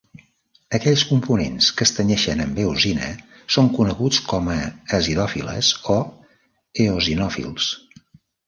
Aquells components que es tenyeixen amb eosina són coneguts com a acidòfiles o eosinòfils.